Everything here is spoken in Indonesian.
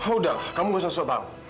oh udahlah kamu nggak usah sesuatu tahu